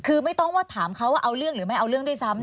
คือไม่ต้องว่าถามเขาว่าเอาเรื่องหรือไม่เอาเรื่องด้วยซ้ำ